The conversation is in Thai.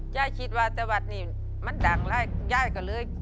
ยายคิดว่าตะวัดนี้มันดังแล้วยายก็เลย